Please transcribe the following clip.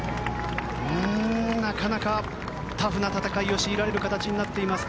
なかなかタフな戦いを強いられることになっています。